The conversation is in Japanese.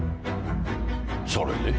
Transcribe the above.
それで？